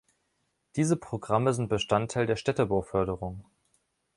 Diese Programme sind Bestandteil der Städtebauförderung.